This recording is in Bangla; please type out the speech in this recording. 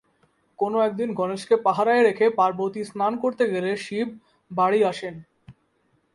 কোনো একদিন গণেশকে পাহারায় রেখে পার্বতী স্নান করতে গেলে শিব, বাড়ি আসেন।